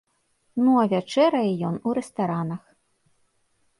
Ну а вячэрае ён у рэстаранах.